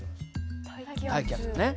大気圧ね。